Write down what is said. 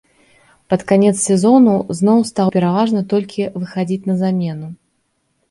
Пад канец сезону зноў стаў пераважна толькі выхадзіць на замену.